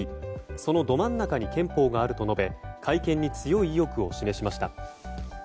そのど真ん中に憲法があると述べ改憲に強い意欲を示しました。